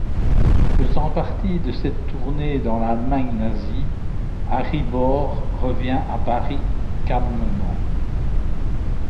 Faisant partie de cette tournée dans l'Allemagne nazie, Harry Baur, revient à Paris calmement.